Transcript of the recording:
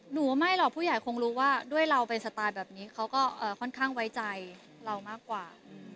หนูว่าไม่หรอกผู้ใหญ่คงรู้ว่าด้วยเราเป็นสไตล์แบบนี้เขาก็ค่อนข้างไว้ใจเรามากกว่า